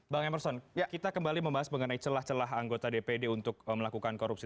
bang emerson kita kembali membahas mengenai celah celah anggota dpd untuk melakukan korupsi